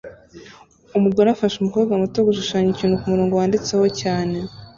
Umugore afasha umukobwa muto gushushanya ikintu kumurongo wanditseho cyane